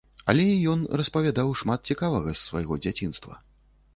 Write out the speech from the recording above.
Але і ён распавядаў шмат цікавага з свайго дзяцінства.